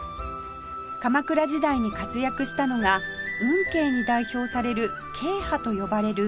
鎌倉時代に活躍したのが運慶に代表される「慶派」と呼ばれる仏師たちです